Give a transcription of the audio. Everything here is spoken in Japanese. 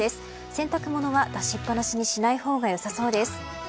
洗濯物は出しっぱなしにしないほうがよさそうです。